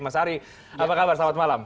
mas ari apa kabar selamat malam